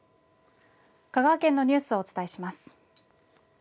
香川県のニュースをお伝えします。